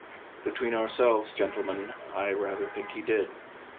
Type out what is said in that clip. Between ourselves, gentlemen, I rather think he did.